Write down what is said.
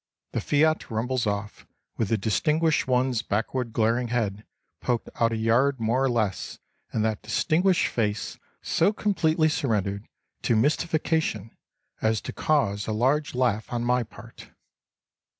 The F.I.A.T. rumbles off, with the distinguished one's backward glaring head poked out a yard more or less and that distinguished face so completely surrendered to mystification as to cause a large laugh on my part.